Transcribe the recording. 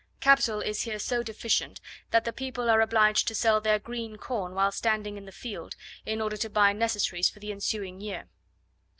Capital is here so deficient, that the people are obliged to sell their green corn while standing in the field, in order to buy necessaries for the ensuing year.